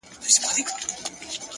هر منزل د هڅې مستحق وي,